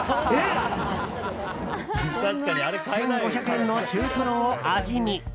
１５００円の中トロを味見。